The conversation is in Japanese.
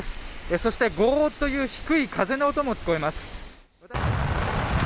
そしてゴーっという低い風の音も聞こえます。